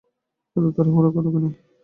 এত তাড়াহুড়ো করে এখানে?